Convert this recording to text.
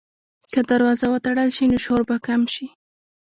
که دروازه وتړل شي، نو شور به کم شي.